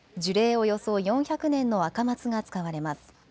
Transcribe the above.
およそ４００年のアカマツが使われます。